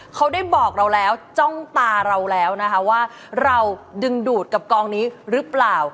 เขาได้บอกเราแล้วจ้องตาเราแล้วนะคะว่าเราดึงดูดกับกองนี้หรือเปล่า